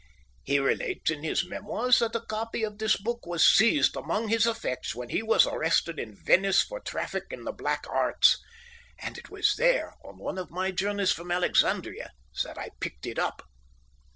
He relates in his memoirs that a copy of this book was seized among his effects when he was arrested in Venice for traffic in the black arts; and it was there, on one of my journeys from Alexandria, that I picked it up."